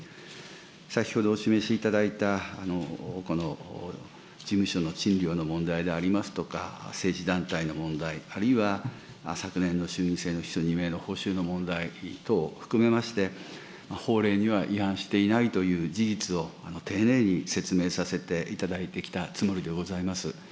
先ほどお示しいただいた、この事務所の賃料の問題でありますとか、政治団体の問題、あるいは昨年の衆議院選の秘書２名の報酬の問題等を含めまして、法令には違反していないという事実を丁寧に説明させていただいてきたつもりでございます。